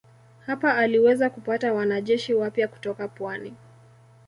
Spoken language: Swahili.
Hapa aliweza kupata wanajeshi wapya kutoka pwani.